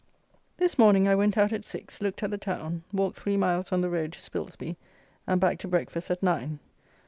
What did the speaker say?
This morning I went out at six, looked at the town, walked three miles on the road to Spilsby, and back to breakfast at nine.